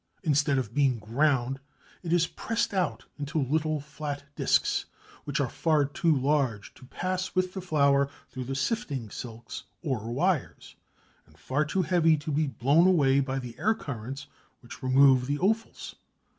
Instead of being ground it is pressed out into little flat discs which are far too large to pass with the flour through the sifting silks or wires, and far too heavy to be blown away by the air currents which remove the offals.